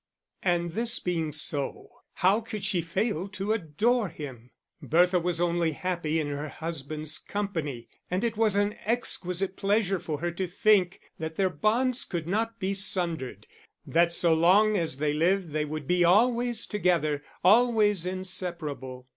And this being so, how could she fail to adore him! Bertha was only happy in her husband's company, and it was an exquisite pleasure for her to think that their bonds could not be sundered, that so long as they lived they would be always together, always inseparable.